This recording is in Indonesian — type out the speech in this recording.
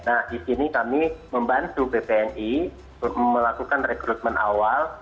nah di sini kami membantu bpni melakukan rekrutmen awal